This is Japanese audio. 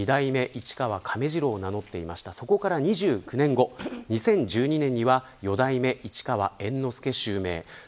二代目市川亀治郎を名乗っていました、そこから２９年後、２０１２年には四代目市川猿之助、襲名。